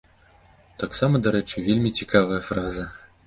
Таксама, дарэчы, вельмі цікавая фраза.